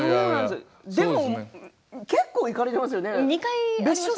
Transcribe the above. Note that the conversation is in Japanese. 結構行かれていますよね